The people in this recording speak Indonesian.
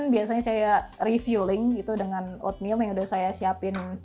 biasanya saya reviewling gitu dengan oatmeal yang udah saya siapin